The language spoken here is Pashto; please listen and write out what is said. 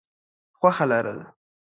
خوښه لرل: